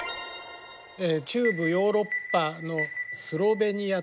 中部ヨーロッパのスロベニアという国です。